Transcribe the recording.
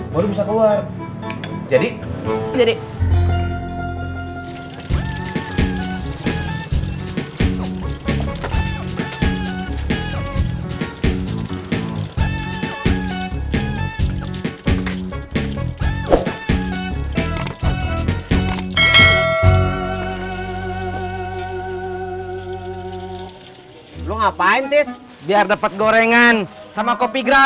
baru bisa keluar jadi